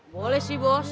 boleh sih bos